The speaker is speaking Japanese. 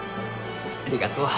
ありがとう。